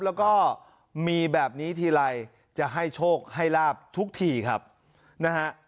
แล้วก็มีแบบนี้ทีไรจะให้โชคให้ลาบทุกทีครับนะฮะ